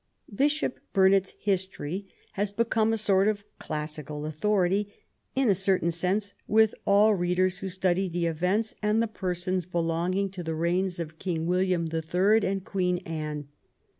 Bishop Burnet's history has become a sort of classical authority, in a certain sense, with all readers who study the events and the persons belonging to the reigns of King William the Third and Queen Anne.